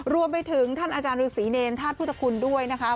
รวมไปถึงท่านอาจารย์ฤษีเนรธาตุพุทธคุณด้วยนะคะ